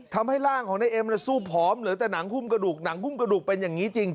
ทำให้ร่างของนายเอ็มสู้ผอมเหลือแต่หนังหุ้มกระดูกหนังหุ้มกระดูกเป็นอย่างนี้จริง